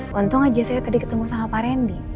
pontong aja saya tadi ketemu sama pak randy